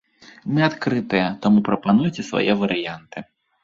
Мы адкрытыя, таму прапануйце свае варыянты.